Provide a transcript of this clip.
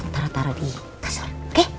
taruh taruh di kasur oke